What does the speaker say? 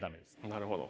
なるほど。